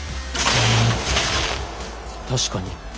確かに。